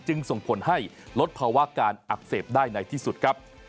ส่งผลให้ลดภาวะการอักเสบได้ในที่สุดครับ